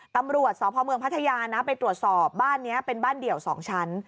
ตำรวจสพเมืองพัทยานะไปตรวจสอบบ้านนี้เป็นบ้านเดี่ยว๒ชั้น